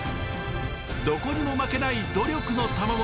どこにも負けない努力の賜物